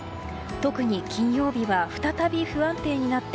特に金曜日は再び不安定になって